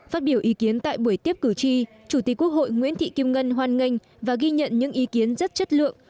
phát biểu ý kiến tại buổi tiếp cử tri chủ tịch quốc hội nguyễn thị kim ngân hoan nghênh và ghi nhận những ý kiến rất chất lượng